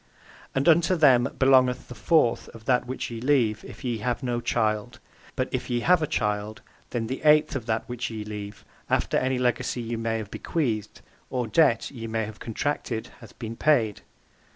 And unto them belongeth the fourth of that which ye leave if ye have no child, but if ye have a child then the eighth of that which ye leave, after any legacy ye may have bequeathed, or debt (ye may have contracted, hath been paid).